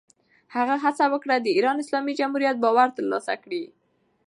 هغه هڅه وکړه، د ایران اسلامي جمهوریت باور ترلاسه کړي.